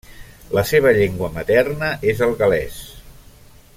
La seva llengua materna és el gal·lès.